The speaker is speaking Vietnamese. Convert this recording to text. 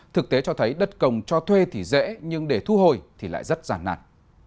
thực tế cho thấy đất công cho thuê thì dễ nhưng để thu hồi thì lại rất giàn nạn